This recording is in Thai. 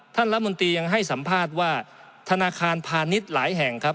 รัฐมนตรียังให้สัมภาษณ์ว่าธนาคารพาณิชย์หลายแห่งครับ